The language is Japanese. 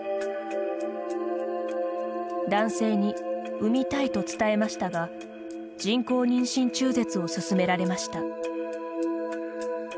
男性に産みたいと伝えましたが人工妊娠中絶を勧められました。